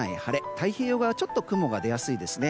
太平洋側はちょっと雲が出やすいですね。